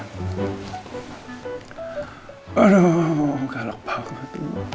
aduh galak banget